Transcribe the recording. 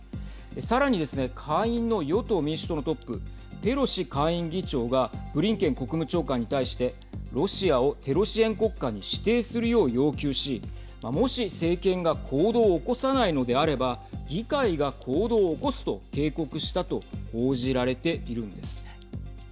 さらにですね下院の与党・民主党のトップペロシ下院議長がブリンケン国務長官に対してロシアをテロ支援国家に指定するよう要求しもし、政権が行動を起こさないのであれば議会が行動を起こすと警告したと報じられているんです。